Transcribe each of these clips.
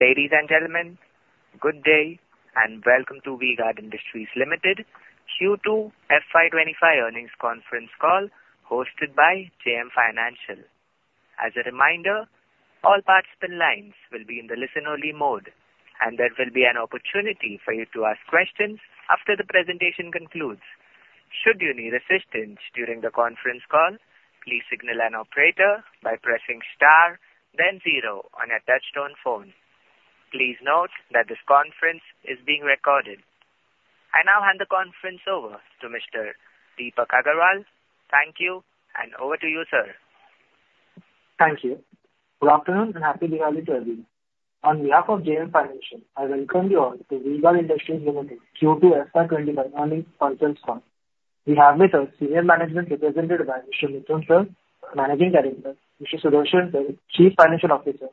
Ladies and gentlemen, good day and welcome to V-Guard Industries Limited Q2 FY25 earnings conference call hosted by JM Financial. As a reminder, all participant lines will be in the listen-only mode, and there will be an opportunity for you to ask questions after the presentation concludes. Should you need assistance during the conference call, please signal an operator by pressing star, then zero on a touch-tone phone. Please note that this conference is being recorded. I now hand the conference over to Mr. Deepak Agarwal. Thank you, and over to you, sir. Thank you. Good afternoon and welcome to V-Guard Industries. On behalf of JM Financial, I welcome you all to V-Guard Industries Limited Q2 FY25 earnings conference call. We have with us senior management represented by Mr. Mithun Chittilappilly, Managing Director, Mr. Sudarshan Kasturi, Chief Financial Officer,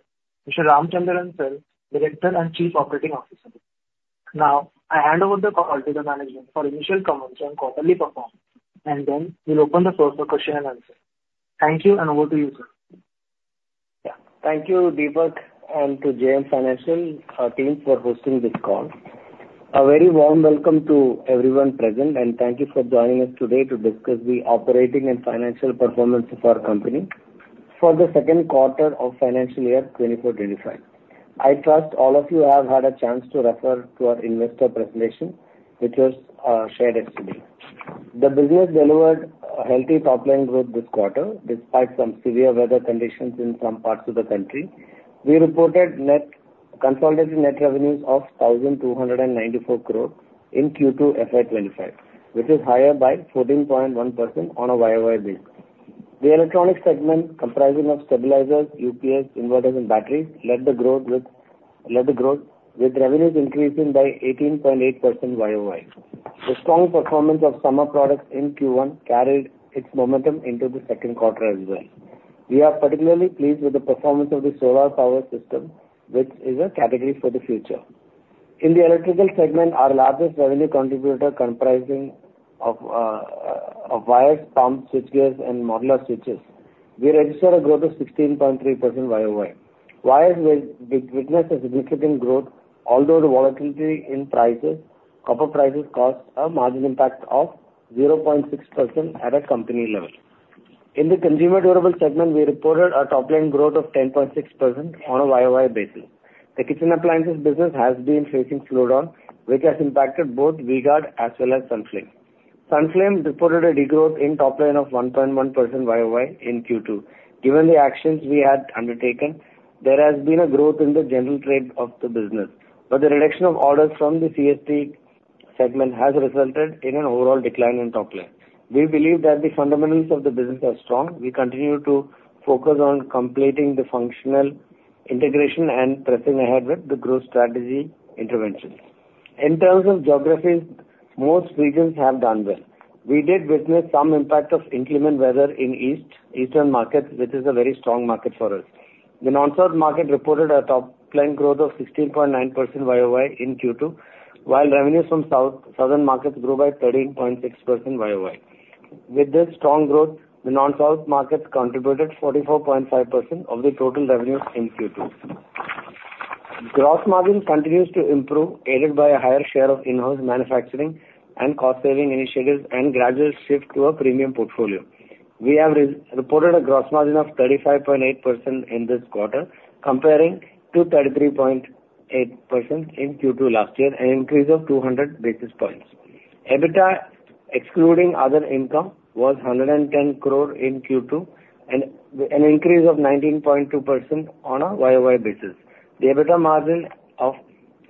Mr. Ramachandran Venkataraman, Director and Chief Operating Officer. Now, I hand over the call to the management for initial comments on quarterly performance, and then we'll open the floor for question and answer. Thank you, and over to you, sir. Yeah, thank you, Deepak, and to JM Financial team for hosting this call. A very warm welcome to everyone present, and thank you for joining us today to discuss the operating and financial performance of our company for the second quarter of financial year 2024-25. I trust all of you have had a chance to refer to our investor presentation, which was shared yesterday. The business delivered a healthy top-line growth this quarter despite some severe weather conditions in some parts of the country. We reported net consolidated net revenues of 1,294 crore in Q2 FY25, which is higher by 14.1% on a YOY basis. The electronics segment, comprising stabilizers, UPS, inverters, and batteries, led the growth with revenues increasing by 18.8% YOY. The strong performance of summer products in Q1 carried its momentum into the second quarter as well. We are particularly pleased with the performance of the solar power system, which is a category for the future. In the electrical segment, our largest revenue contributor comprising wires, pumps, switchgears, and modular switches, we registered a growth of 16.3% YOY. Wires witnessed a significant growth, although the volatility in prices (copper prices) caused a margin impact of 0.6% at a company level. In the consumer durable segment, we reported a top-line growth of 10.6% on a YOY basis. The kitchen appliances business has been facing slowdown, which has impacted both V-Guard as well as Sunflame. Sunflame reported a degrowth in top-line of 1.1% YOY in Q2. Given the actions we had undertaken, there has been a growth in the general trade of the business, but the reduction of orders from the CSD segment has resulted in an overall decline in top-line. We believe that the fundamentals of the business are strong. We continue to focus on completing the functional integration and pressing ahead with the growth strategy interventions. In terms of geographies, most regions have done well. We did witness some impact of inclement weather in East India, which is a very strong market for us. The non-south market reported a top-line growth of 16.9% YOY in Q2, while revenues from South India grew by 13.6% YOY. With this strong growth, the non-south markets contributed 44.5% of the total revenues in Q2. Gross margin continues to improve, aided by a higher share of in-house manufacturing and cost-saving initiatives and gradual shift to a premium portfolio. We have reported a gross margin of 35.8% in this quarter, comparing to 33.8% in Q2 last year, an increase of 200 basis points. EBITDA, excluding other income, was 110 crore in Q2, an increase of 19.2% on a YOY basis. The EBITDA margin of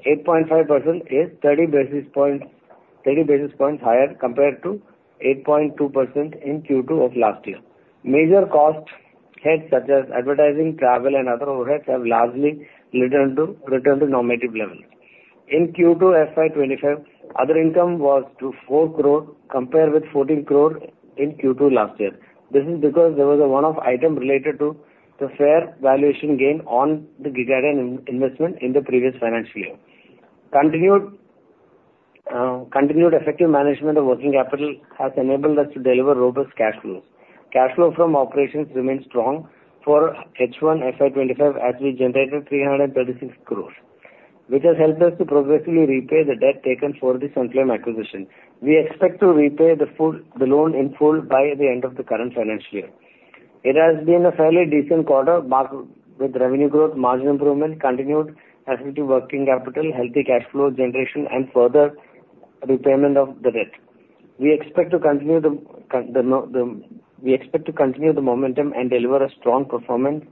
8.5% is 30 basis points higher compared to 8.2% in Q2 of last year. Major cost hits, such as advertising, travel, and other overheads, have largely returned to normative levels. In Q2 FY25, other income was 4 crore, compared with 14 crore in Q2 last year. This is because there was a one-off item related to the fair valuation gain on the Gegadyne investment in the previous financial year. Continued effective management of working capital has enabled us to deliver robust cash flows. Cash flow from operations remains strong for H1 FY25, as we generated 336 crore, which has helped us to progressively repay the debt taken for the Sunflame acquisition. We expect to repay the loan in full by the end of the current financial year. It has been a fairly decent quarter, marked with revenue growth, margin improvement, continued effective working capital, healthy cash flow generation, and further repayment of the debt. We expect to continue the momentum and deliver a strong performance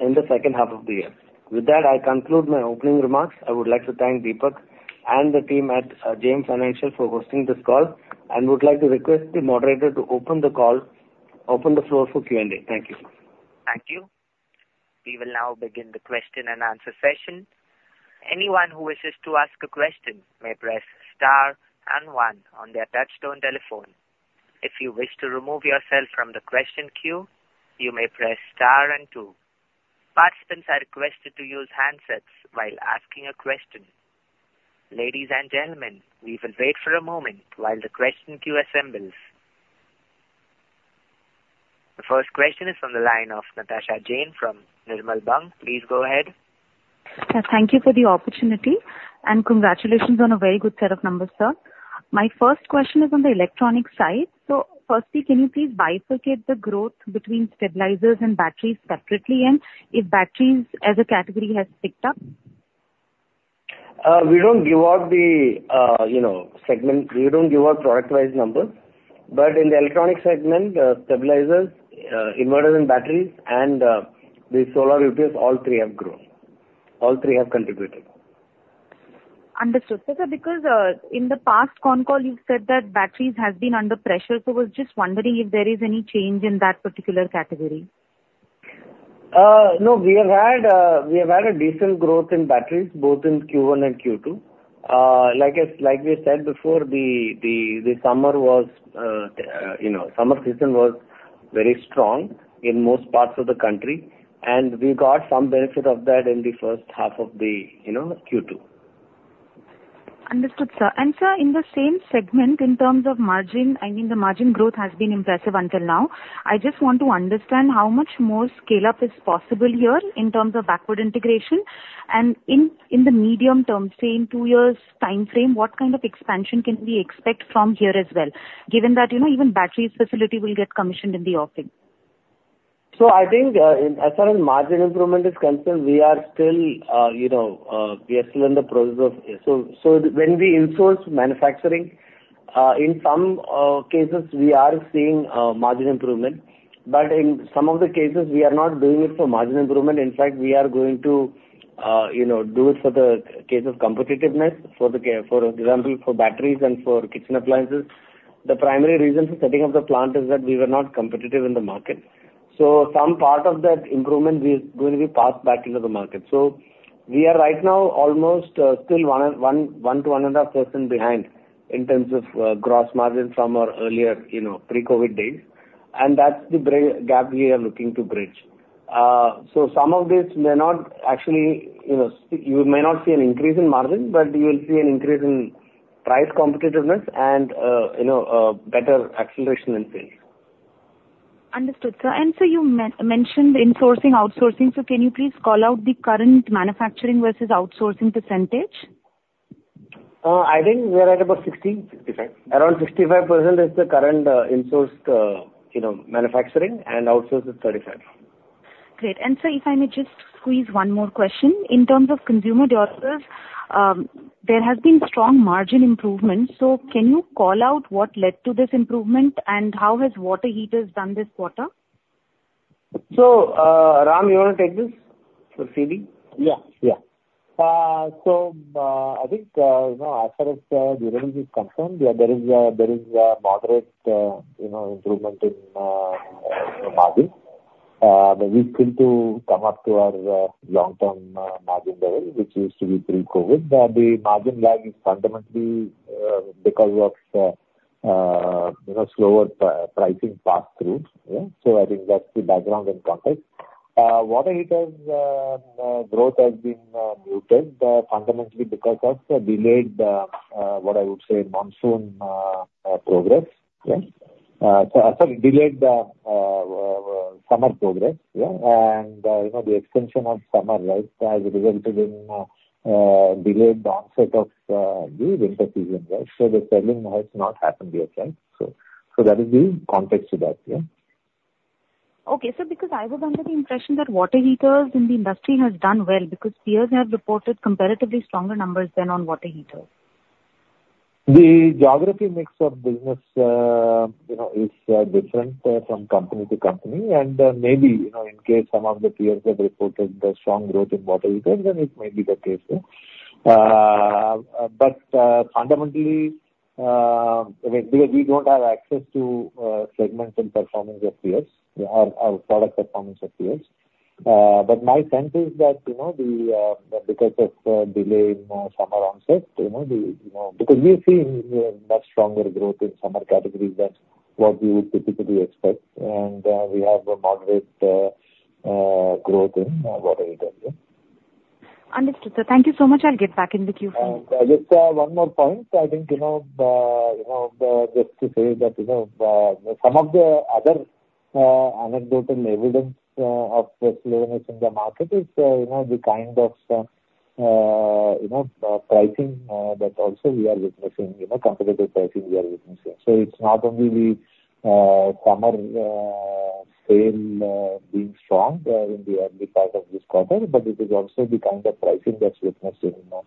in the second half of the year. With that, I conclude my opening remarks. I would like to thank Deepak and the team at JM Financial for hosting this call, and would like to request the moderator to open the floor for Q&A. Thank you. Thank you. We will now begin the question and answer session. Anyone who wishes to ask a question may press star and one on their touch-tone telephone. If you wish to remove yourself from the question queue, you may press star and two. Participants are requested to use handsets while asking a question. Ladies and gentlemen, we will wait for a moment while the question queue assembles. The first question is from the line of Natasha Jain from Nirmal Bang. Please go ahead. Thank you for the opportunity, and congratulations on a very good set of numbers, sir. My first question is on the electronics side. So firstly, can you please bifurcate the growth between stabilizers and batteries separately, and if batteries as a category has picked up? We don't give out the segment. We don't give out product-wise numbers, but in the electronics segment, stabilizers, inverters, and batteries, and the solar UPS, all three have grown. All three have contributed. Understood. So sir, because in the past con call, you've said that batteries have been under pressure, so I was just wondering if there is any change in that particular category. No, we have had a decent growth in batteries, both in Q1 and Q2. Like we said before, the summer season was very strong in most parts of the country, and we got some benefit of that in the first half of the Q2. Understood, sir. And sir, in the same segment, in terms of margin, I mean, the margin growth has been impressive until now. I just want to understand how much more scale-up is possible here in terms of backward integration, and in the medium term, say in two years' time frame, what kind of expansion can we expect from here as well, given that even battery facility will get commissioned in the offing? I think as far as margin improvement is concerned, we are still in the process of, so when we insource manufacturing, in some cases, we are seeing margin improvement, but in some of the cases, we are not doing it for margin improvement. In fact, we are going to do it for the case of competitiveness, for example, for batteries and for kitchen appliances. The primary reason for setting up the plant is that we were not competitive in the market. So some part of that improvement is going to be passed back into the market. We are right now almost still one to one and a half % behind in terms of gross margin from our earlier pre-COVID days, and that's the gap we are looking to bridge. So some of this may not actually, you may not see an increase in margin, but you will see an increase in price competitiveness and better acceleration in sales. Understood, sir. And so you mentioned insourcing, outsourcing. So can you please call out the current manufacturing versus outsourcing percentage? I think we are at about 60-65%. Around 65% is the current insourced manufacturing, and outsourced is 35%. Great. And sir, if I may just squeeze one more question. In terms of consumer durables, there has been strong margin improvement. So can you call out what led to this improvement, and how has water heaters done this quarter? So Ram, you want to take this proceeding? Yeah. Yeah. So I think as far as durables is concerned, there is a moderate improvement in margin. We seem to come up to our long-term margin level, which used to be pre-COVID. The margin lag is fundamentally because of slower pricing pass-through. So I think that's the background and context. Water heaters' growth has been muted, fundamentally because of delayed - what I would say - monsoon progress. Sorry, delayed summer progress, and the extension of summer has resulted in delayed onset of the winter season. So the selling has not happened yet. So that is the context to that. Okay, so because I was under the impression that water heaters in the industry have done well, because peers have reported comparatively stronger numbers than on water heaters. The geography mix of business is different from company to company, and maybe in case some of the peers have reported strong growth in water heaters, then it may be the case, but fundamentally, because we don't have access to segments and performance of peers, our product performance of peers, but my sense is that because of delayed summer onset, because we've seen much stronger growth in summer categories than what we would typically expect, and we have a moderate growth in water heaters. Understood. So thank you so much. I'll get back in the Q4. Just one more point. I think just to say that some of the other anecdotal evidence of slowness in the market is the kind of pricing that also we are witnessing, competitive pricing we are witnessing. So it's not only the summer sale being strong in the early part of this quarter, but it is also the kind of pricing that's witnessed in the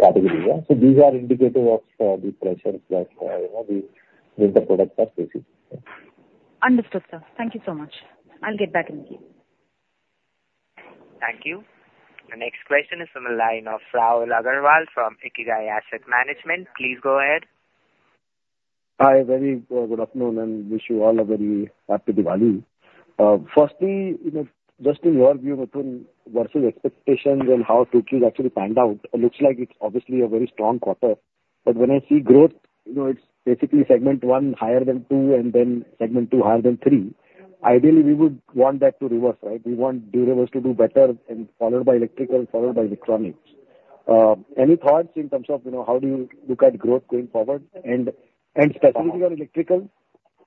category. So these are indicative of the pressures that the winter products are facing. Understood, sir. Thank you so much. I'll get back in the Q. Thank you. The next question is from the line of Rahul Agarwal from Ikigai Asset Managers. Please go ahead. Hi. Very good afternoon, and wish you all a very happy Diwali. Firstly, just in your view, Mithun, versus expectations and how to actually find out, it looks like it's obviously a very strong quarter. But when I see growth, it's basically segment one higher than two, and then segment two higher than three. Ideally, we would want that to reverse, right? We want Durables to do better and followed by electrical, followed by electronics. Any thoughts in terms of how do you look at growth going forward? And specifically on electrical,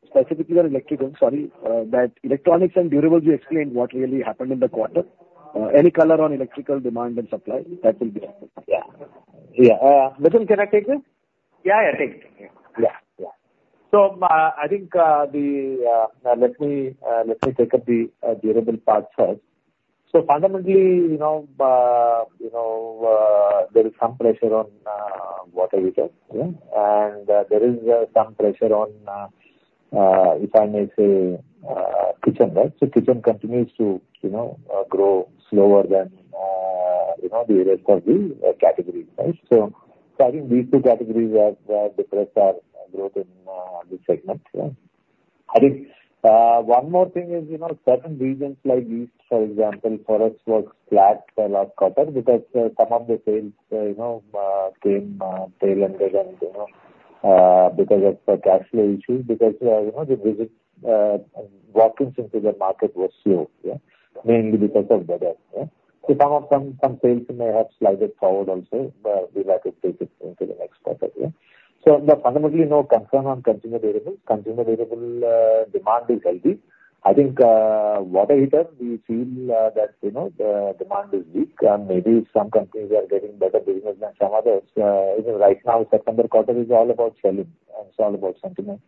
specifically on electrical, sorry, that electronics and Durables you explained what really happened in the quarter. Any color on electrical demand and supply? That will be helpful. Yeah. Yeah. Mithun, can I take this? Yeah, yeah. Take it. Yeah. Yeah. So I think let me take up the Consumer Durables part first. So fundamentally, there is some pressure on water heaters, and there is some pressure on, if I may say, kitchen, right? So kitchen continues to grow slower than the rest of the categories. So I think these two categories have depressed our growth in this segment. I think one more thing is certain regions like East, for example, for us was flat last quarter because some of the sales came tail-ended because of cash flow issues, because the walk-ins into the market were slow, mainly because of weather. So some sales may have slided forward also, but we'll have to take it into the next quarter. So fundamentally, no concern on Consumer Durables. Consumer Durables demand is healthy. I think water heaters, we feel that the demand is weak, and maybe some companies are getting better business than some others. Right now, September quarter is all about selling. It's all about sentiment.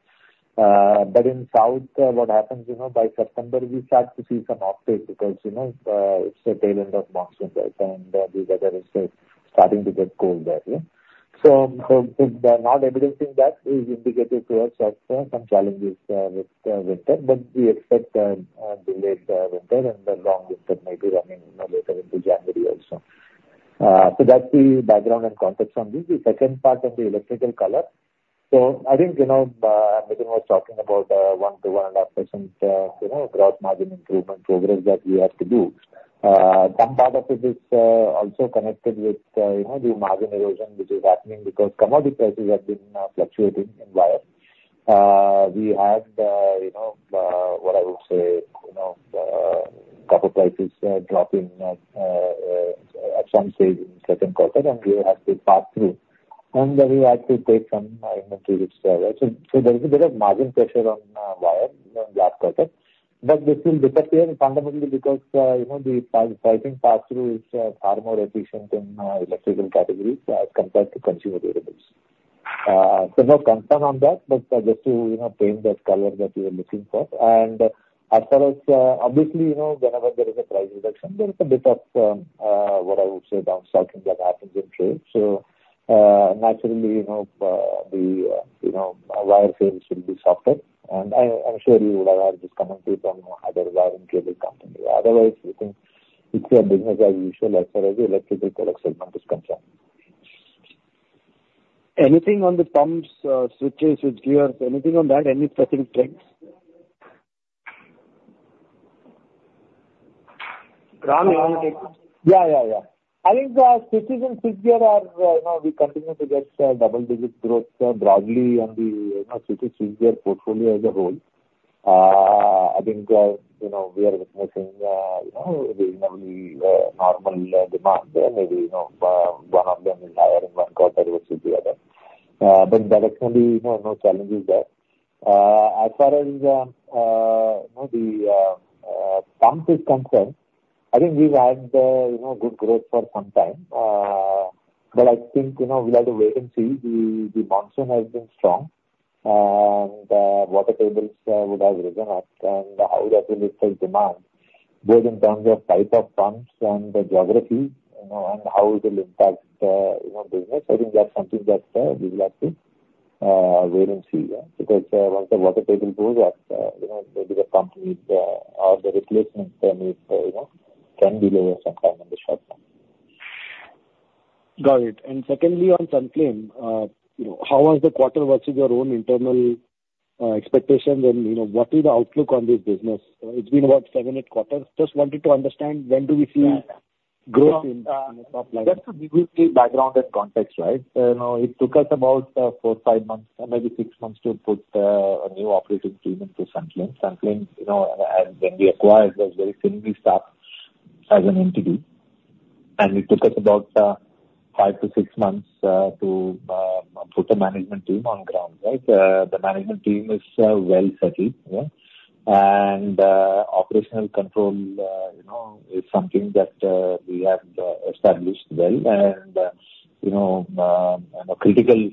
But in South, what happens by September, we start to see some uptake because it's the tail-end of monsoon, and the weather is starting to get cold there. So not evidencing that is indicative to us of some challenges with winter, but we expect delayed winter and the long winter maybe running later into January also. So that's the background and context on this. The second part on the electrical color. So I think Mithun was talking about 1% to 1.5% gross margin improvement progress that we have to do. Some part of it is also connected with the margin erosion, which is happening because commodity prices have been fluctuating in wires. We had what I would say couple prices dropping at some stage in second quarter, and we have to pass through, and we had to take some inventory which is alright. So there is a bit of margin pressure on wire last quarter, but this will disappear fundamentally because the pricing pass-through is far more efficient in electrical categories as compared to consumer durables. So no concern on that, but just to paint that color that you were looking for. And as far as obviously, whenever there is a price reduction, there is a bit of what I would say downside that happens in sales. So naturally, the wire sales should be softer, and I'm sure you would have heard this commentary from other wires and cables company. Otherwise, I think it's a business as usual as far as the electrical product segment is concerned. Anything on the pumps, switches, switchgears? Anything on that? Any specific trends? Ram, you want to take this? Yeah, yeah, yeah. I think switches and switchgears, we continue to get double-digit growth broadly on the switches and switchgears portfolio as a whole. I think we are witnessing reasonably normal demand. Maybe one of them is higher in one quarter versus the other, but there are no challenges there. As far as the pumps is concerned, I think we've had good growth for some time, but I think we'll have to wait and see. The monsoon has been strong, and water tables would have risen up, and how that will affect demand, both in terms of type of pumps and the geography and how it will impact business. I think that's something that we will have to wait and see because once the water table goes up, maybe the pump needs or the replacement needs can be lower sometime in the short term. Got it. And secondly, on Sunflame, how was the quarter versus your own internal expectations, and what is the outlook on this business? It's been about seven, eight quarters. Just wanted to understand when do we see growth in the top line. That's a deep background and context, right? It took us about four, five months, maybe six months to put a new operating team into Sunflame. Sunflame, when we acquired, was very thinly staffed as an entity, and it took us about five to six months to put a management team on ground, right? The management team is well-settled, and operational control is something that we have established well, and critical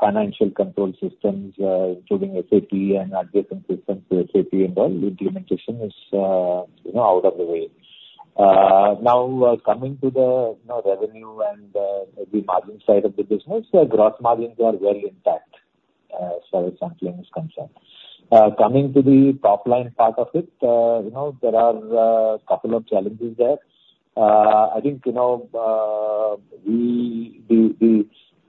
financial control systems, including SAP and adjacent systems to SAP and all implementation is out of the way. Now, coming to the revenue and the margin side of the business, gross margins are well intact as far as Sunflame is concerned. Coming to the top line part of it, there are a couple of challenges there. I think the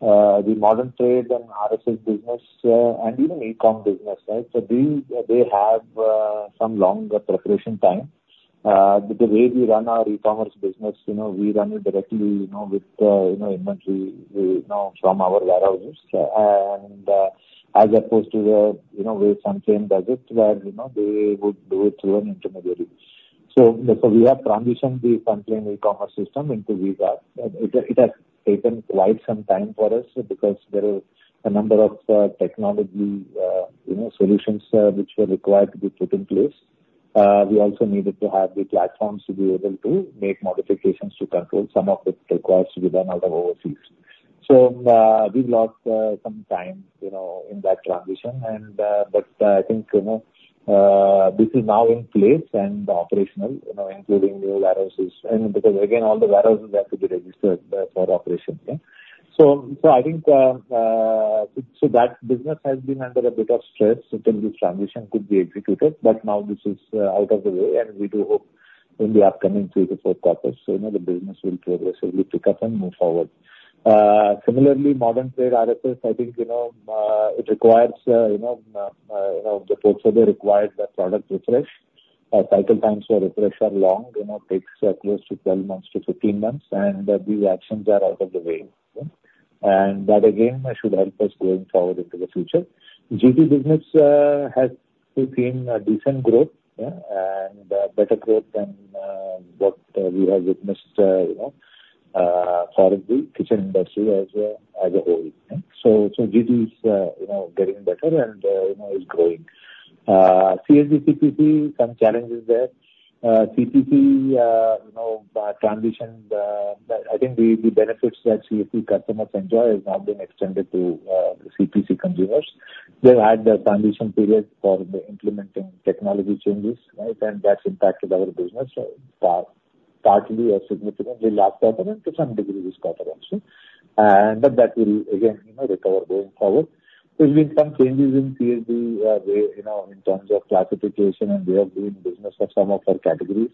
modern trade and RSS business and even e-com business, right? So they have some longer preparation time. The way we run our e-commerce business, we run it directly with inventory from our warehouses, and as opposed to the way Sunflame does it, where they would do it through an intermediary, so we have transitioned the Sunflame e-commerce system into V-Guard, and it has taken quite some time for us because there were a number of technology solutions which were required to be put in place. We also needed to have the platforms to be able to make modifications to control. Some of it requires to be done out of overseas, so we've lost some time in that transition, but I think this is now in place and operational, including new warehouses, because again, all the warehouses have to be registered for operation. So I think that business has been under a bit of stress until this transition could be executed, but now this is out of the way, and we do hope in the upcoming three to four quarters the business will progressively pick up and move forward. Similarly, modern trade RSS, I think it requires the portfolio required that product refresh. Cycle times for refresh are long. It takes close to 12 months to 15 months, and these actions are out of the way. And that, again, should help us going forward into the future. GT business has seen decent growth and better growth than what we have witnessed for the kitchen industry as a whole. So GT is getting better and is growing. CSD CPC, some challenges there. CPC transition, I think the benefits that CPC customers enjoy have now been extended to CPC consumers. They've had the transition period for implementing technology changes, and that's impacted our business partly or significantly last quarter and to some degree this quarter also. But that will, again, recover going forward. There have been some changes in CSD in terms of classification and way of doing business for some of our categories.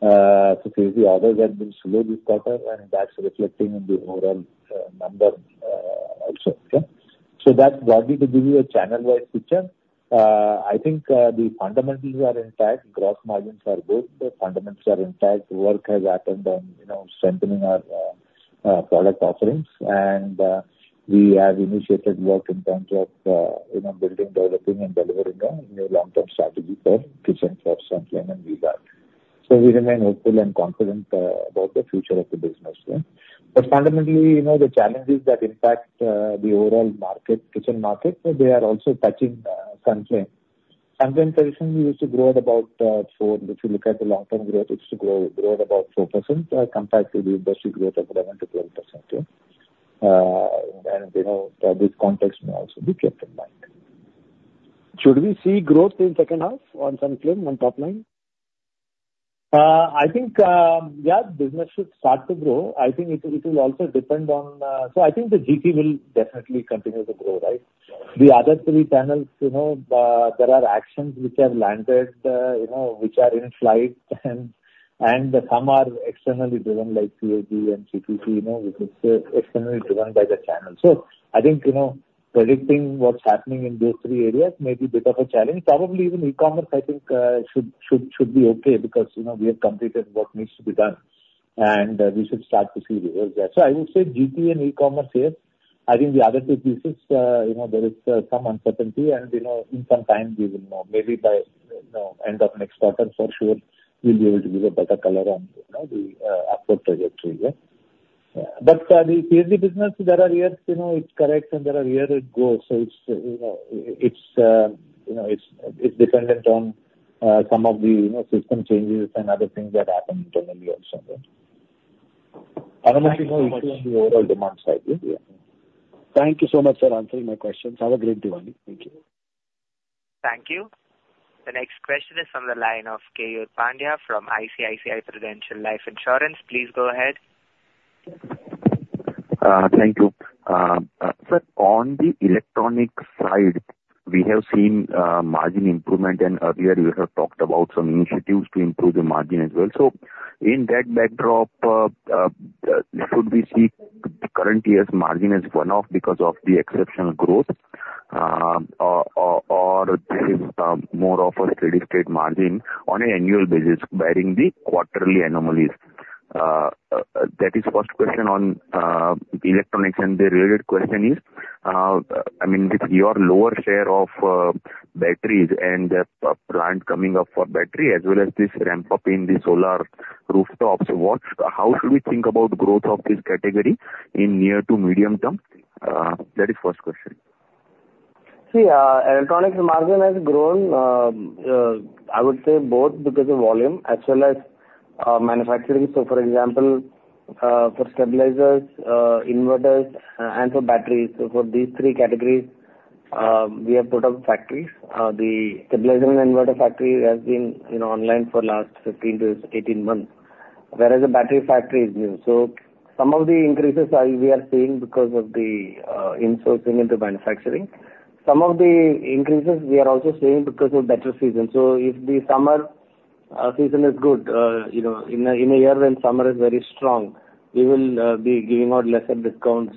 So CSD orders have been slow this quarter, and that's reflecting in the overall number also. So that broadly to give you a channel-wise picture, I think the fundamentals are intact. Gross margins are good. The fundamentals are intact. Work has happened on strengthening our product offerings, and we have initiated work in terms of building, developing, and delivering a new long-term strategy for kitchen for Sunflame and V-Guard. So we remain hopeful and confident about the future of the business. But fundamentally, the challenges that impact the overall kitchen market, they are also touching Sunflame. Sunflame traditionally used to grow at about 4%. If you look at the long-term growth, it used to grow at about 4% compared to the industry growth of 11%-12%. This context may also be kept in mind. Should we see growth in second half on Sunflame on top line? I think, yeah, business should start to grow. I think it will also depend on so I think the GT will definitely continue to grow, right? The other three channels, there are actions which have landed, which are in flight, and some are externally driven like CSD and CPC, which is externally driven by the channel. So I think predicting what's happening in those three areas may be a bit of a challenge. Probably even e-commerce, I think, should be okay because we have completed what needs to be done, and we should start to see results there. So I would say GT and e-commerce here. I think the other two pieces, there is some uncertainty, and in some time, we will know. Maybe by end of next quarter for sure, we'll be able to give a better color on the upward trajectory. But the CSD business, there are years it corrects, and there are years it goes. So it's dependent on some of the system changes and other things that happen internally also. Thank you so much for answering my questions. Have a great day one. Thank you. Thank you. The next question is from the line of Keyur Pandya from ICICI Prudential Life Insurance. Please go ahead. Thank you. Sir, on the electronics side, we have seen margin improvement, and earlier you have talked about some initiatives to improve the margin as well. So in that backdrop, should we see current year's margin as one-off because of the exceptional growth, or this is more of a steady-state margin on an annual basis bearing the quarterly anomalies? That is the first question on electronics, and the related question is, I mean, with your lower share of batteries and the plant coming up for battery as well as this ramp-up in the solar rooftops, how should we think about the growth of this category in near to medium term? That is the first question. See, electronics margin has grown, I would say, both because of volume as well as manufacturing. So for example, for stabilizers, inverters, and for batteries, so for these three categories, we have put up factories. The stabilizer and inverter factory has been online for the last 15 to 18 months, whereas the battery factory is new. So some of the increases we are seeing because of the insourcing into manufacturing. Some of the increases we are also seeing because of better season. So if the summer season is good, in a year when summer is very strong, we will be giving out lesser discounts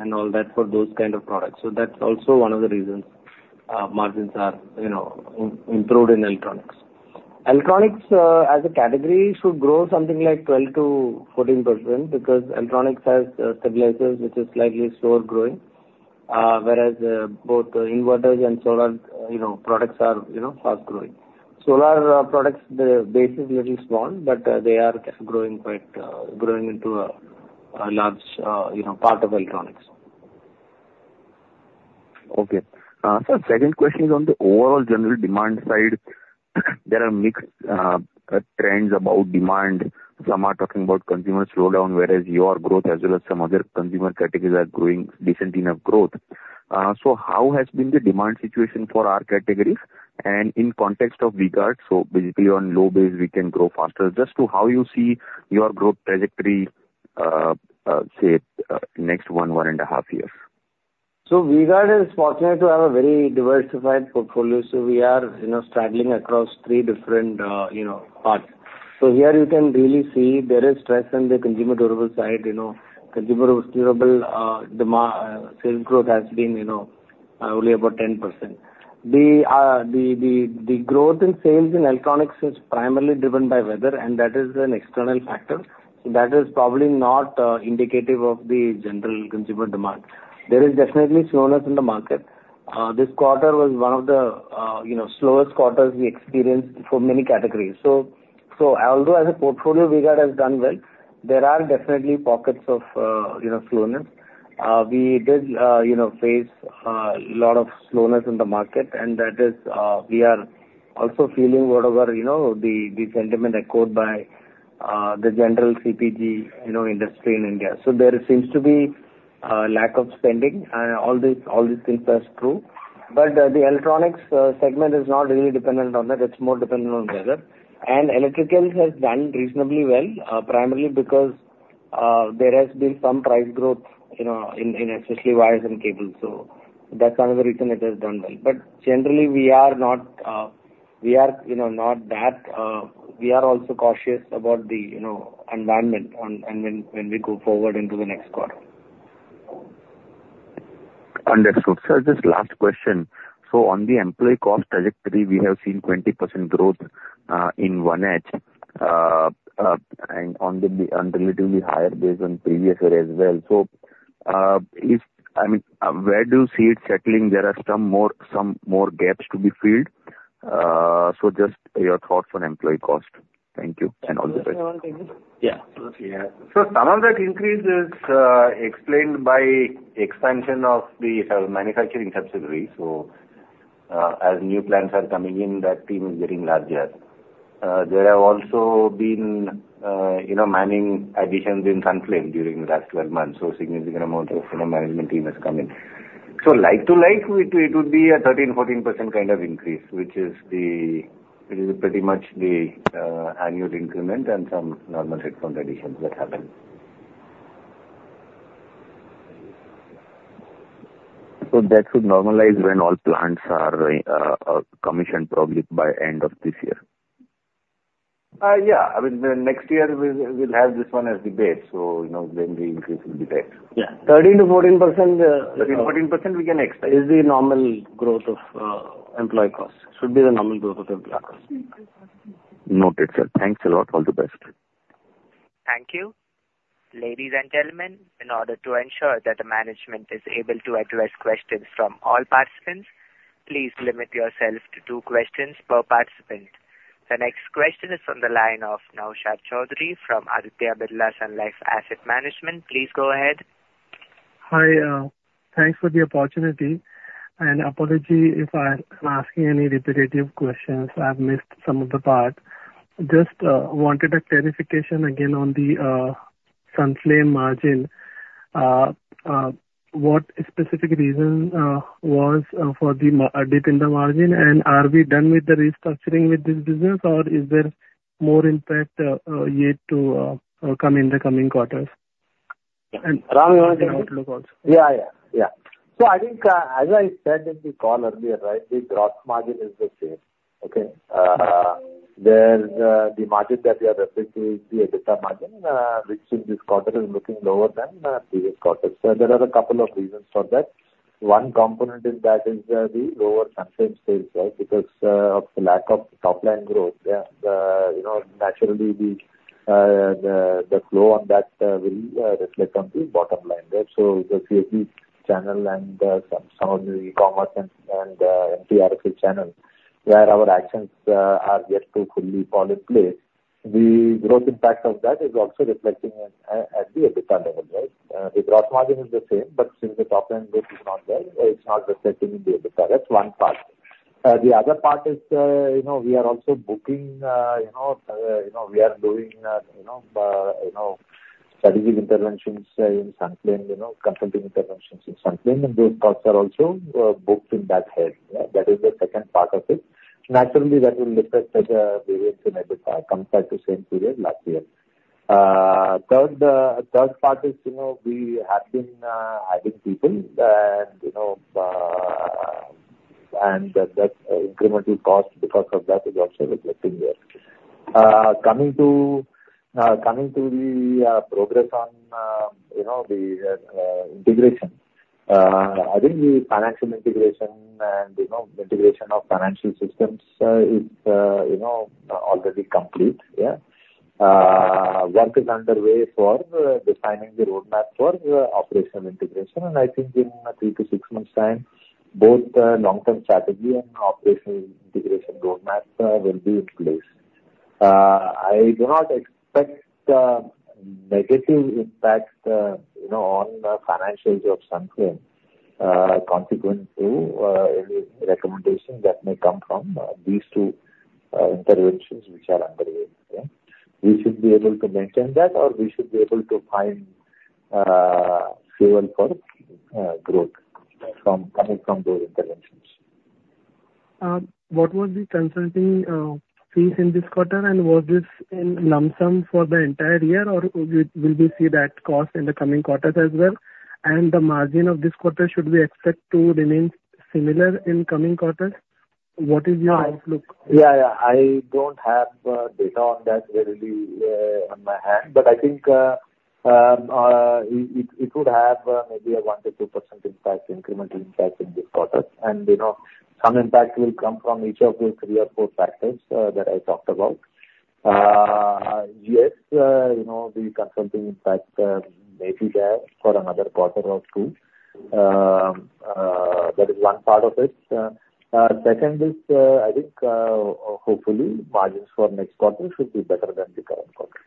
and all that for those kinds of products. So that's also one of the reasons margins are improved in electronics. Electronics as a category should grow something like 12%-14% because electronics has stabilizers, which is slightly slower growing, whereas both inverters and solar products are fast growing. Solar products, the base is a little small, but they are growing into a large part of electronics. Okay. So the second question is on the overall general demand side. There are mixed trends about demand. Some are talking about consumer slowdown, whereas your growth, as well as some other consumer categories, are growing decent enough growth. So how has been the demand situation for our categories? And in context of V-Guard, so basically on low base, we can grow faster. Just how do you see your growth trajectory, say, next one, one and a half years? So V-Guard is fortunate to have a very diversified portfolio. So we are straddling across three different parts. So here you can really see there is stress on the consumer durable side. Consumer durable sales growth has been only about 10%. The growth in sales in electronics is primarily driven by weather, and that is an external factor. So that is probably not indicative of the general consumer demand. There is definitely slowness in the market. This quarter was one of the slowest quarters we experienced for many categories. So although as a portfolio, V-Guard has done well, there are definitely pockets of slowness. We did face a lot of slowness in the market, and that is we are also feeling whatever the sentiment is echoed by the general CPG industry in India. So there seems to be a lack of spending, and all these things are true. But the electronics segment is not really dependent on that. It's more dependent on weather. And electricals have done reasonably well, primarily because there has been some price growth in especially wires and cables. So that's another reason it has done well. But generally, we are not. That we are also cautious about the environment when we go forward into the next quarter. Understood. So just last question. So on the employee cost trajectory, we have seen 20% growth in one year and from the relatively higher base from previous year as well. So I mean, where do you see it settling? There are some more gaps to be filled. So just your thoughts on employee cost. Thank you. And all the best. Yeah. Some of that increase is explained by expansion of the manufacturing subsidiaries. So as new plants are coming in, that team is getting larger. There have also been manpower additions in Sunflame during the last 12 months. So a significant amount of management team has come in. So like-for-like, it would be a 13%-14% kind of increase, which is pretty much the annual increment and some normal headcount additions that happen. So that should normalize when all plants are commissioned probably by end of this year. Yeah. I mean, next year, we'll have this one as debate. So then we increase the debate. Yeah. 13%-14%, we can expect. Is the normal growth of employee cost. Should be the normal growth of employee cost. Noted. Thanks a lot. All the best. Thank you. Ladies and gentlemen, in order to ensure that the management is able to address questions from all participants, please limit yourself to two questions per participant. The next question is from the line Naushad Chaudhary from Aditya Birla Sun Life Asset Management. Please go ahead. Hi. Thanks for the opportunity, and apology if I'm asking any repetitive questions. I've missed some of the parts. Just wanted a clarification again on the Sunflame margin. What specific reason was for the dip in the margin, and are we done with the restructuring with this business, or is there more impact yet to come in the coming quarters? Ram, you want to take a look also? Yeah, yeah, yeah. So I think, as I said in the call earlier, right, the gross margin is the same. Okay? The margin that we are referring to is the EBITDA margin, which in this quarter is looking lower than the previous quarter. So there are a couple of reasons for that. One component in that is the lower Sunflame sales because of lack of top-line growth. Naturally, the flow on that will reflect on the bottom line. So the CSD channel and some of the e-commerce and MT, RSS channel, where our actions are yet to fully fall in place, the growth impact of that is also reflecting at the EBITDA level, right? The gross margin is the same, but since the top-line growth is not there, it's not reflecting in the EBITDA. That's one part. The other part is we are also booking. We are doing strategic interventions in Sunflame, consulting interventions in Sunflame, and those parts are also booked in that head. That is the second part of it. Naturally, that will reflect as a variance in EBITDA compared to the same period last year. The third part is we have been adding people, and that incremental cost because of that is also reflecting here. Coming to the progress on the integration, I think the financial integration and integration of financial systems is already complete. Yeah. Work is underway for designing the roadmap for operational integration, and I think in three to six months' time, both long-term strategy and operational integration roadmap will be in place. I do not expect negative impact on the financials of Sunflame consequent to any recommendation that may come from these two interventions, which are underway. We should be able to maintain that, or we should be able to find fuel for growth coming from those interventions. What was the consulting fees in this quarter? And was this in lump sum for the entire year, or will we see that cost in the coming quarters as well? And the margin of this quarter should we expect to remain similar in coming quarters? What is your outlook? Yeah, yeah. I don't have data on that really at hand, but I think it would have maybe a 1%-2% incremental impact in this quarter. And some impact will come from each of those three or four factors that I talked about. Yes, the consulting impact maybe there for another quarter or two. That is one part of it. Second is, I think hopefully margins for next quarter should be better than the current quarter.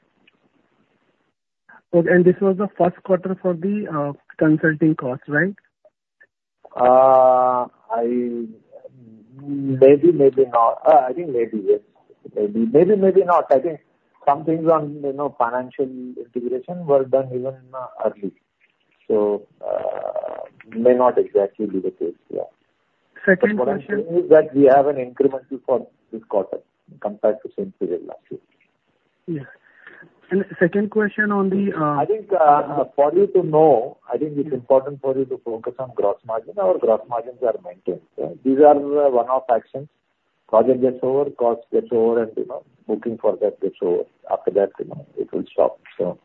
And this was the first quarter for the consulting cost, right? Maybe, maybe not. I think maybe, yes. Maybe, maybe not. I think some things on financial integration were done even early. So it may not exactly be the case. Second question. What I'm saying is that we have an incremental for this quarter compared to the same period last year. Yes. And second question on the. I think for you to know, I think it's important for you to focus on gross margin. Our gross margins are maintained. These are one-off actions. Project gets over, cost gets over, and booking for that gets over. After that, it will stop, so.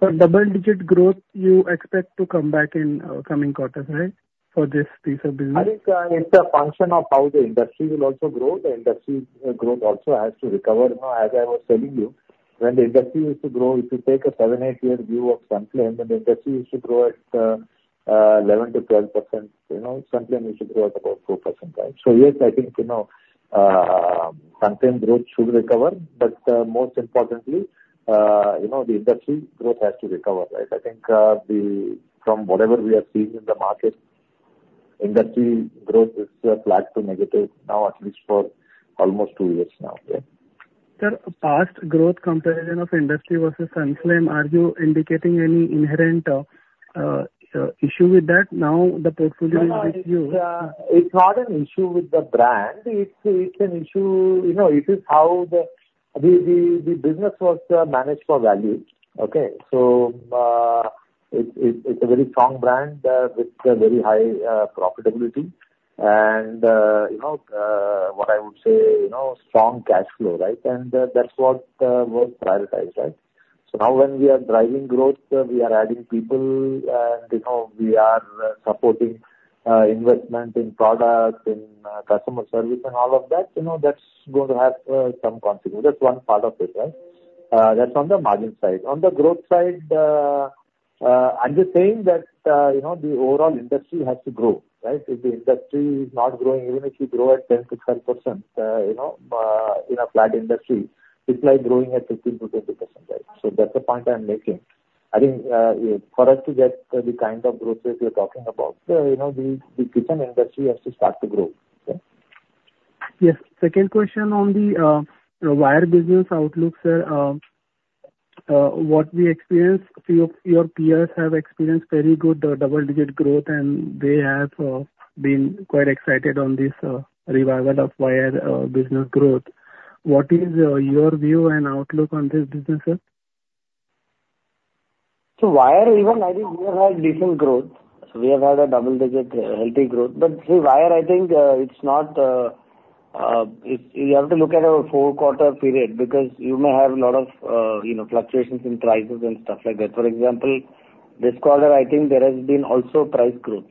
So double-digit growth, you expect to come back in coming quarter, right, for this piece of business? I think it's a function of how the industry will also grow. The industry growth also has to recover. As I was telling you, when the industry used to grow, if you take a seven, eight-year view of Sunflame, then the industry used to grow at 11%-12%. Sunflame used to grow at about 4%, right? So yes, I think Sunflame growth should recover. But most importantly, the industry growth has to recover, right? I think from whatever we have seen in the market, industry growth is flat to negative now, at least for almost two years now, yeah. Sir, past growth comparison of industry versus Sunflame, are you indicating any inherent issue with that? Now the portfolio is with you. It's not an issue with the brand. It's an issue. It is how the business was managed for value. Okay? So it's a very strong brand with very high profitability. And what I would say, strong cash flow, right? And that's what was prioritized, right? So now when we are driving growth, we are adding people, and we are supporting investment in product, in customer service, and all of that. That's going to have some consequence. That's one part of it, right? That's on the margin side. On the growth side, I'm just saying that the overall industry has to grow, right? If the industry is not growing, even if you grow at 10%-12% in a flat industry, it's like growing at 15%-20%, right? So that's the point I'm making. I think for us to get the kind of growth that you're talking about, the kitchen industry has to start to grow, okay? Yes. Second question on the wire business outlook, sir. What we experience, a few of your peers have experienced very good double-digit growth, and they have been quite excited on this revival of wire business growth. What is your view and outlook on this business, sir? So wire, even I think we have had decent growth. So we have had a double-digit, healthy growth. But see, wire, I think it's not you have to look at our four-quarter period because you may have a lot of fluctuations in prices and stuff like that. For example, this quarter, I think there has been also price growth.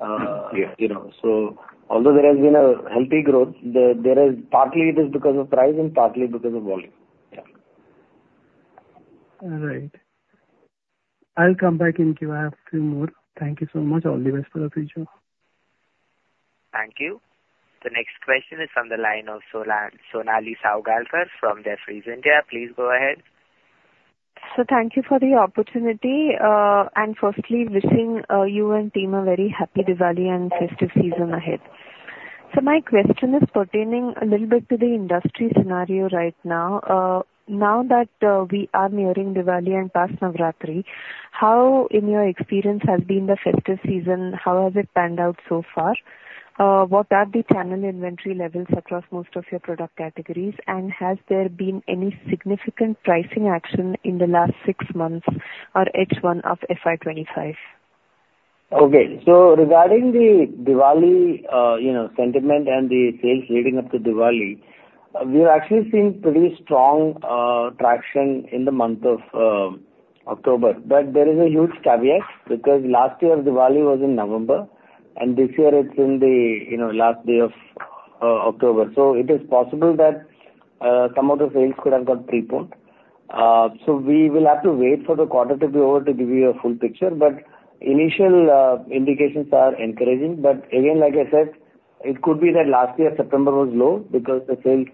So although there has been a healthy growth, partly it is because of price and partly because of volume. Yeah. All right. I'll come back in Q&A. I have a few more. Thank you so much. All the best for the future. Thank you. The next question is from the line of Sonali Salgaonkar from Jefferies India. Please go ahead. So thank you for the opportunity. And firstly, wishing you and team a very happy Diwali and festive season ahead. So my question is pertaining a little bit to the industry scenario right now. Now that we are nearing Diwali and post-Navratri, how, in your experience, has been the festive season? How has it panned out so far? What are the channel inventory levels across most of your product categories? And has there been any significant pricing action in the last six months or H1 of FY25? Okay. So regarding the Diwali sentiment and the sales leading up to Diwali, we have actually seen pretty strong traction in the month of October. But there is a huge caveat because last year's Diwali was in November, and this year it's in the last day of October. So it is possible that some of the sales could have got preponed. So we will have to wait for the quarter to be over to give you a full picture. But initial indications are encouraging. But again, like I said, it could be that last year, September was low because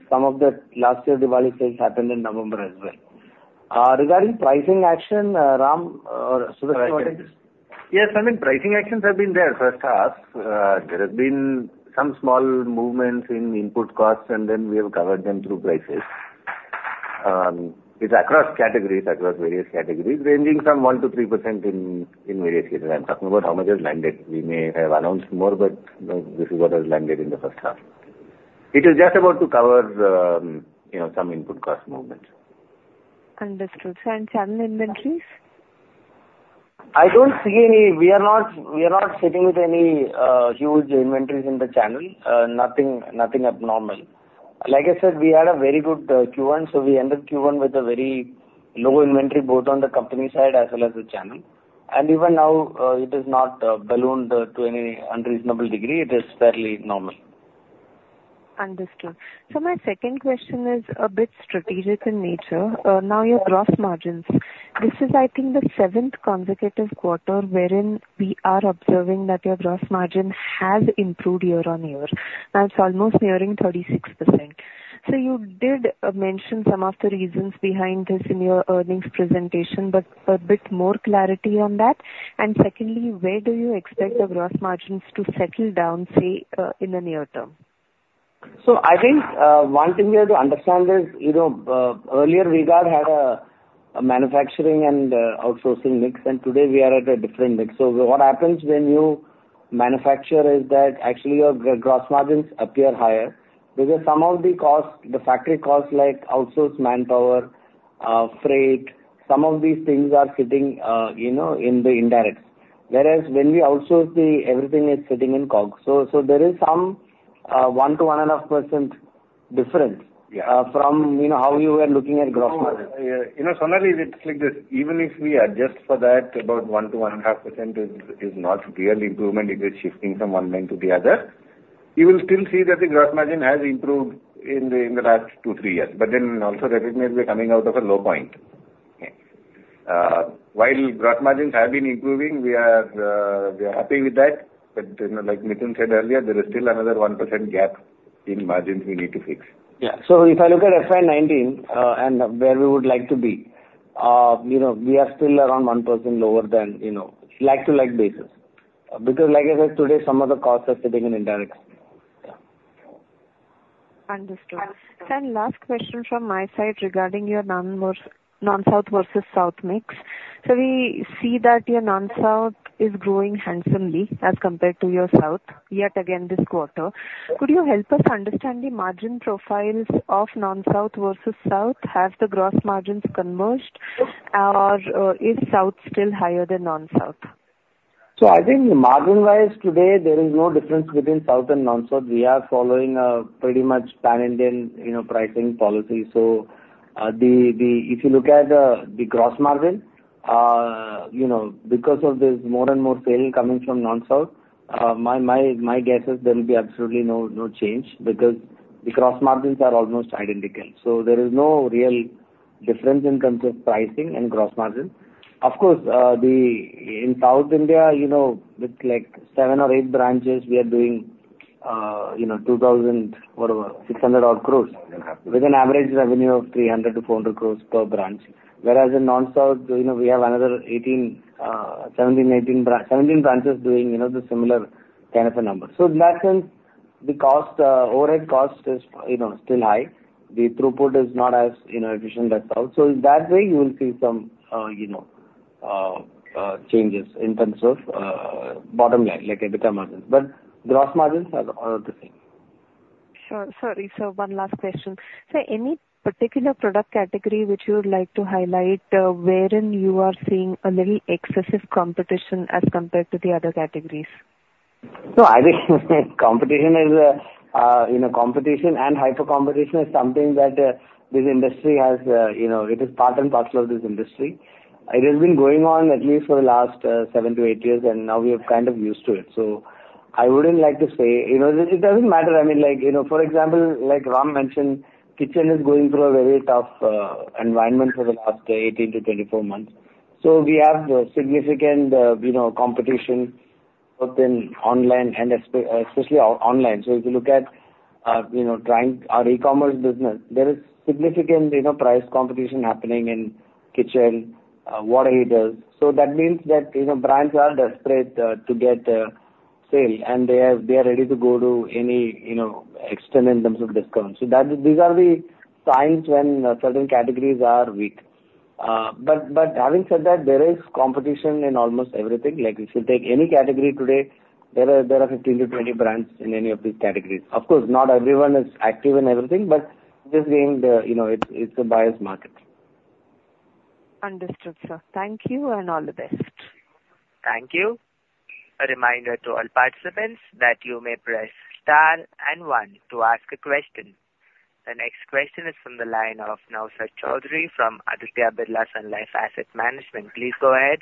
some of the last year's Diwali sales happened in November as well. Regarding pricing action, Ram or Sudarshan? Yes. I mean, pricing actions have been in the first half. There have been some small movements in input costs, and then we have covered them through prices. It's across categories, across various categories, ranging from 1%-3% in various cases. I'm talking about how much has landed. We may have announced more, but this is what has landed in the first half. It is just about to cover some input cost movements. Understood. And channel inventories? I don't see any. We are not sitting with any huge inventories in the channel. Nothing abnormal. Like I said, we had a very good Q1. So we ended Q1 with a very low inventory, both on the company side as well as the channel. And even now, it has not ballooned to any unreasonable degree. It is fairly normal. Understood. So my second question is a bit strategic in nature. Now, your gross margins. This is, I think, the seventh consecutive quarter wherein we are observing that your gross margin has improved year on year. Now it's almost nearing 36%. So you did mention some of the reasons behind this in your earnings presentation, but a bit more clarity on that. And secondly, where do you expect the gross margins to settle down, say, in the near term? So I think one thing here to understand is earlier, we had a manufacturing and outsourcing mix, and today we are at a different mix. So what happens when you manufacture is that actually your gross margins appear higher because some of the costs, the factory costs, like outsourced manpower, freight, some of these things are sitting in the indirects. Whereas when we outsource the everything, it's sitting in COGS. So there is some 1-1.5% difference from how you were looking at gross margin. Sonali, it's like this. Even if we adjust for that, about 1%-1.5% is not real improvement. If it's shifting from one bank to the other, you will still see that the gross margin has improved in the last two, three years. But then also recognize we're coming out of a low point. Okay? While gross margins have been improving, we are happy with that. But like Nitin said earlier, there is still another 1% gap in margins we need to fix. Yeah. So if I look at FY19 and where we would like to be, we are still around 1% lower than like-for-like basis. Because like I said, today, some of the costs are sitting in indirects. Understood. And last question from my side regarding your non-South versus South mix. So we see that your non-South is growing handsomely as compared to your South yet again this quarter. Could you help us understand the margin profiles of non-South versus South? Have the gross margins converged, or is South still higher than non-South? So I think margin-wise, today, there is no difference between South and Non-South. We are following pretty much Pan-Indian pricing policy. So if you look at the gross margin, because of this more and more sale coming from Non-South, my guess is there will be absolutely no change because the gross margins are almost identical. So there is no real difference in terms of pricing and gross margin. Of course, in South India, with like seven or eight branches, we are doing 2,000 whatever, 600-odd crores with an average revenue of 300-400 crores per branch. Whereas in Non-South, we have another 17-18 branches doing the similar kind of a number. So in that sense, the overhead cost is still high. The throughput is not as efficient as South. So in that way, you will see some changes in terms of bottom line, like EBITDA margins. But gross margins are all the same. Sure. Sorry. So one last question. So any particular product category which you would like to highlight wherein you are seeing a little excessive competition as compared to the other categories? So I think competition is competition, and hyper-competition is something that this industry has. It is part and parcel of this industry. It has been going on at least for the last seven to eight years, and now we have kind of used to it. So I wouldn't like to say it doesn't matter. I mean, for example, like Ram mentioned, kitchen is going through a very tough environment for the last 18-24 months. So we have significant competition both in online and especially online. So if you look at our E-commerce business, there is significant price competition happening in kitchen, water heaters. So that means that brands are desperate to get sales, and they are ready to go to any extent in terms of discounts. So these are the signs when certain categories are weak. But having said that, there is competition in almost everything. If you take any category today, there are 15 to 20 brands in any of these categories. Of course, not everyone is active in everything, but just saying it's a biased market. Understood, sir. Thank you and all the best. Thank you. A reminder to all participants that you may press star and one to ask a question. The next question is from the line of Naushad Chaudhary from Aditya Birla Sun Life Asset Management. Please go ahead.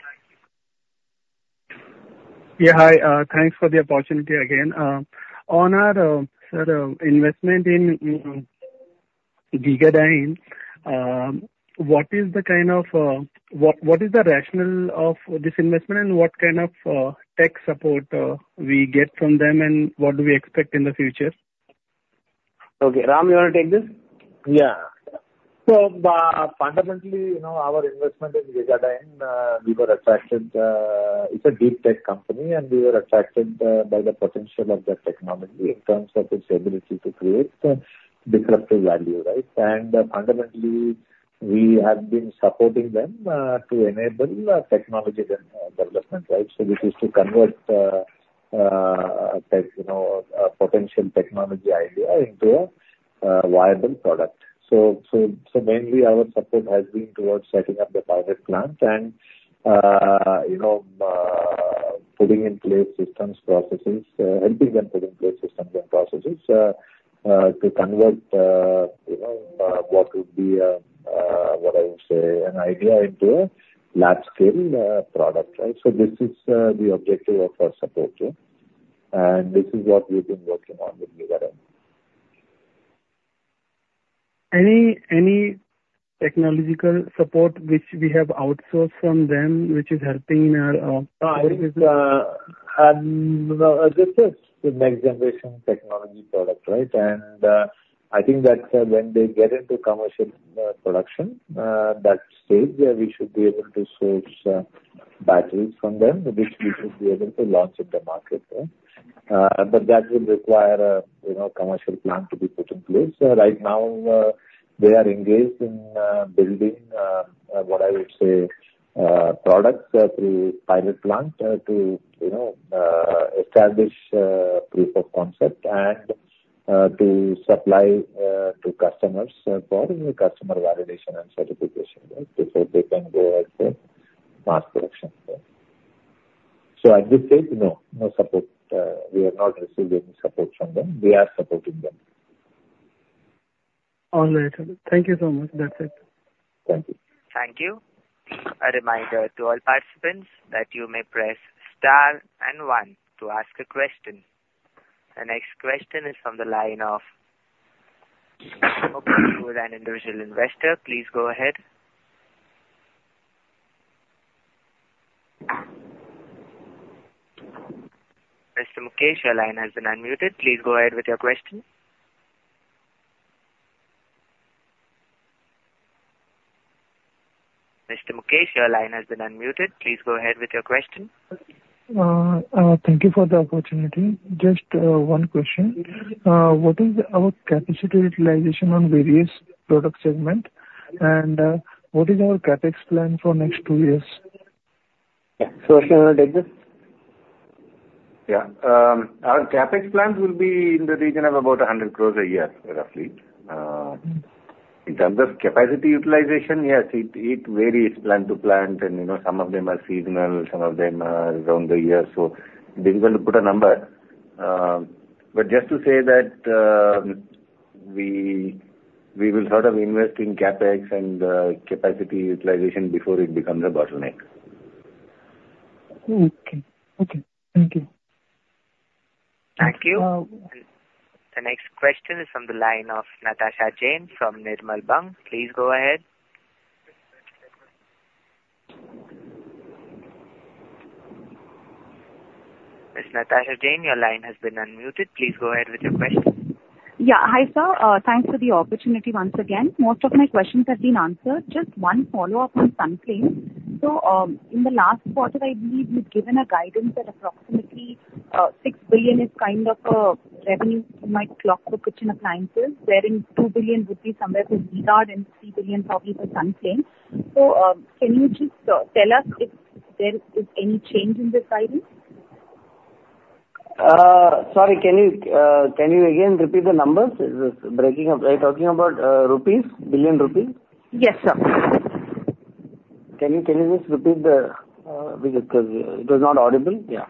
Yeah. Hi. Thanks for the opportunity again. On our investment in Gegadyne, what is the kind of rationale of this investment, and what kind of tech support we get from them, and what do we expect in the future? Okay. Ram, you want to take this? Yeah. So fundamentally, our investment in Gegadyne, we were attracted it's a deep tech company, and we were attracted by the potential of that technology in terms of its ability to create disruptive value, right? And fundamentally, we have been supporting them to enable technology development, right? So this is to convert potential technology idea into a viable product. So mainly, our support has been towards setting up the pilot plant and putting in place systems, processes, helping them put in place systems and processes to convert what would be a, what I would say, an idea into a large-scale product, right? So this is the objective of our support, yeah? And this is what we've been working on with Gegadyne. Any technological support which we have outsourced from them which is helping in our business? I think this is the next generation technology product, right? And I think that when they get into commercial production, that stage, we should be able to source batteries from them, which we should be able to launch into market, right? But that would require a commercial plant to be put in place. Right now, they are engaged in building, what I would say, products through pilot plant to establish proof of concept and to supply to customers for customer validation and certification before they can go out for mass production. So at this stage, no, no support. We have not received any support from them. We are supporting them. All right. Thank you so much. That's it. Thank you. Thank you. A reminder to all participants that you may press star and one to ask a question. The next question is from the line of Mukesh with an individual investor. Please go ahead. Mr. Mukesh, your line has been unmuted. Please go ahead with your question. Mr. Mukesh, your line has been unmuted. Please go ahead with your question. Thank you for the opportunity. Just one question. What is our capacity utilization on various product segments, and what is our CapEx plan for next two years? Yeah. Sudarshan, you want to take this? Yeah. Our CapEx plans will be in the region of about 100 crores a year, roughly. In terms of capacity utilization, yes, it varies plant to plant, and some of them are seasonal, some of them are around the year. So difficult to put a number. But just to say that we will sort of invest in CapEx and capacity utilization before it becomes a bottleneck. Okay. Okay. Thank you. Thank you. The next question is from the line of Natasha Jain from Nirmal Bang. Please go ahead. Ms. Natasha Jain, your line has been unmuted. Please go ahead with your question. Yeah. Hi, sir. Thanks for the opportunity once again. Most of my questions have been answered. Just one follow-up on Sunflame. So in the last quarter, I believe you've given a guidance that approximately 6 billion is kind of a revenue from my clockbook kitchen appliances, wherein 2 billion would be somewhere for Gegadyne and 3 billion probably for Sunflame. So can you just tell us if there is any change in this guidance? Sorry, can you again repeat the numbers? Is this breaking up? Are you talking about rupees, billion rupees? Yes, sir. Can you just repeat that because it was not audible? Yeah.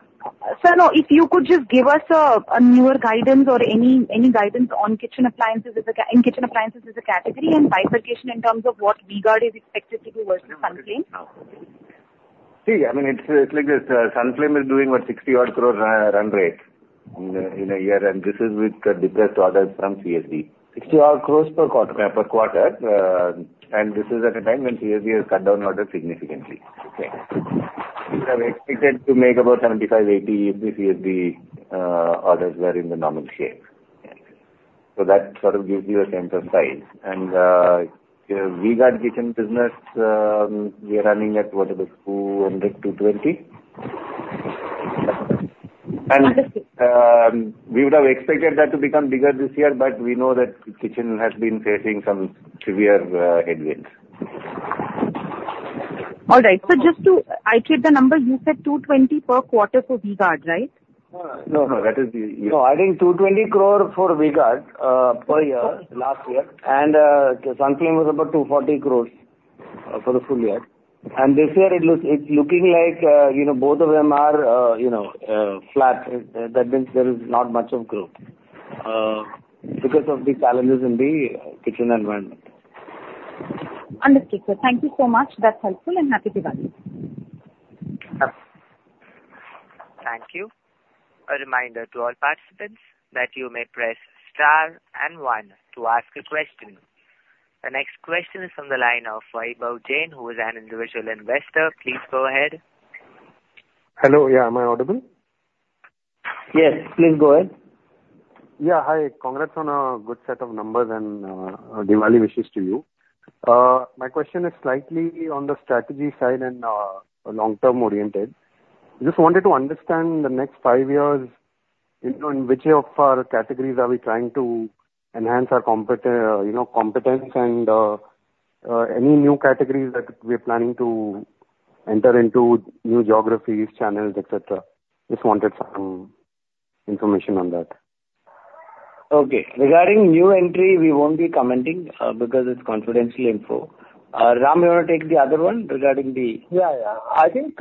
Sir, no. If you could just give us a newer guidance or any guidance on kitchen appliances as a category and bifurcation in terms of what Gegadyne is expected to do versus Sunflame. See, I mean, it's like this. Sunflame is doing about 60-odd crore run rate in a year, and this is with the depressed orders from CSD. 60-odd crores per quarter, and this is at a time when CSD has cut down orders significantly. Okay? We have expected to make about 75-80 CSD orders that are in the normal shape. So that sort of gives you a sense of size. And Gegadyne kitchen business, we are running at whatever 200-220. And we would have expected that to become bigger this year, but we know that kitchen has been facing some severe headwinds. All right. So just to iterate the number, you said 220 per quarter for Gegadyne, right? No, no. That is the. No, I think 220 crores for Gegadyne per year last year, and Sunflame was about 240 crores for the full year and this year, it's looking like both of them are flat. That means there is not much of growth because of the challenges in the kitchen environment. Understood, sir. Thank you so much. That's helpful, and happy to help. Thank you. A reminder to all participants that you may press star and one to ask a question. The next question is from the line of Vibhu Jain, who is an individual investor. Please go ahead. Hello. Yeah. Am I audible? Yes. Please go ahead. Yeah. Hi. Congrats on a good set of numbers and Diwali wishes to you. My question is slightly on the strategy side and long-term oriented. Just wanted to understand the next five years in which of our categories are we trying to enhance our competence and any new categories that we are planning to enter into new geographies, channels, etc. Just wanted some information on that. Okay. Regarding new entry, we won't be commenting because it's confidential info. Ram, you want to take the other one regarding the. Yeah. Yeah. I think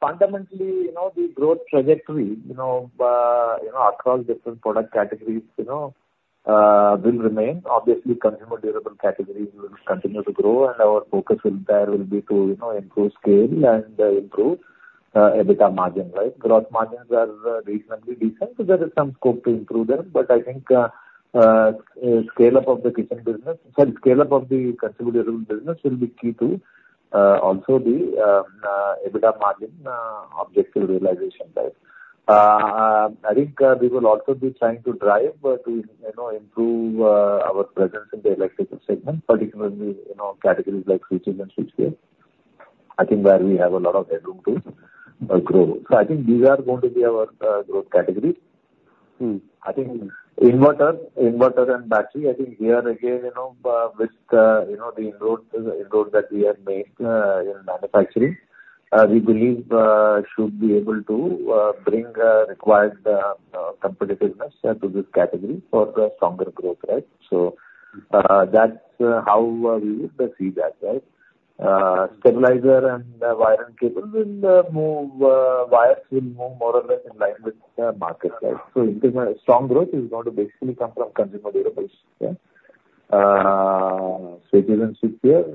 fundamentally, the growth trajectory across different product categories will remain. Obviously, consumer durable categories will continue to grow, and our focus will be to improve scale and improve EBITDA margin, right? Gross margins are reasonably decent, so there is some scope to improve them. But I think scale-up of the kitchen business sorry, scale-up of the consumer durable business will be key to also the EBITDA margin objective realization, right? I think we will also be trying to drive to improve our presence in the electrical segment, particularly categories like switches and switchgears, I think, where we have a lot of headroom to grow. So I think these are going to be our growth categories. I think inverter and battery, I think here, again, with the inroads that we have made in manufacturing, we believe should be able to bring required competitiveness to this category for stronger growth, right? So that's how we would see that, right? Stabilizer and wires and cables will move more or less in line with market, right? So strong growth is going to basically come from consumer durables, yeah? Switches and switchgears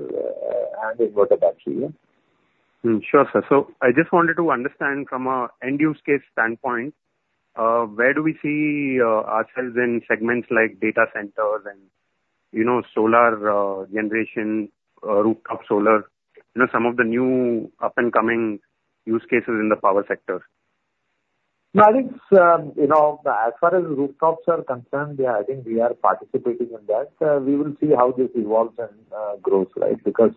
and inverter battery, yeah? Sure, sir. So I just wanted to understand from an end-use case standpoint, where do we see ourselves in segments like data centers and solar generation, rooftop solar, some of the new up-and-coming use cases in the power sector? No, I think as far as rooftops are concerned, yeah, I think we are participating in that. We will see how this evolves and grows, right? Because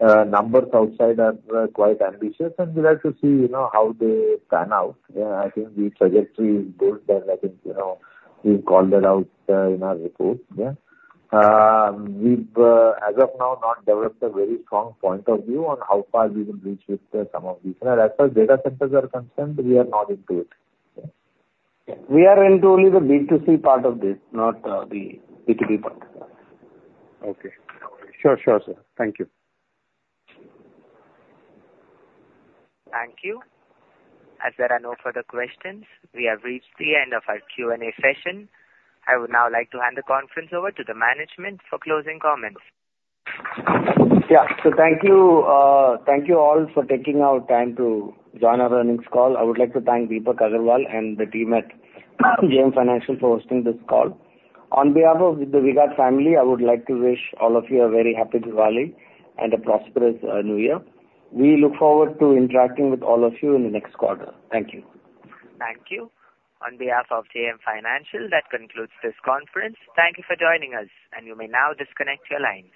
numbers outside are quite ambitious, and we'd like to see how they pan out. I think the trajectory is good, and I think we've called that out in our report, yeah? We've, as of now, not developed a very strong point of view on how far we will reach with some of these, and as far as data centers are concerned, we are not into it, yeah? We are into only the B2C part of this, not the B2B part. Okay. Sure, sure, sir. Thank you. Thank you. Is there any further questions? We have reached the end of our Q&A session. I would now like to hand the conference over to the management for closing comments. Yeah. So thank you all for taking our time to join our earnings call. I would like to thank Deepak Agarwal and the team at JM Financial for hosting this call. On behalf of the V-Guard family, I would like to wish all of you a very happy Diwali and a prosperous New Year. We look forward to interacting with all of you in the next quarter. Thank you. Thank you. On behalf of JM Financial, that concludes this conference. Thank you for joining us, and you may now disconnect your line.